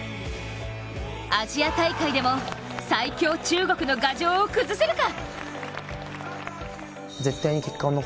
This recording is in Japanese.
アジア大会でも最強・中国の牙城を崩せるか？